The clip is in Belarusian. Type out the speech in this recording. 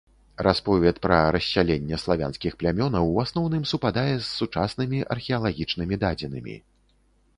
Расповед пра рассяленне славянскіх плямёнаў у асноўным супадае з сучаснымі археалагічнымі дадзенымі.